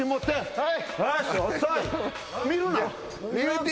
はい！